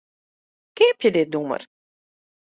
Keapje dit nûmer.